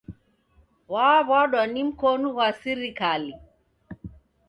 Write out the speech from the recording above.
W'aw'adwa ni mkonu ghwa sirikali